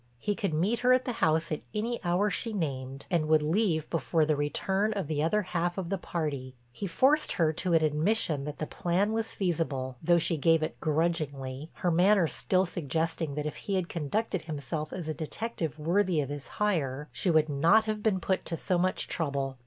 He could meet her at the house at any hour she named and would leave before the return of the other half of the party. He forced her to an admission that the plan was feasible, though she gave it grudgingly, her manner still suggesting that if he had conducted himself as a detective worthy of his hire she would not have been put to so much trouble.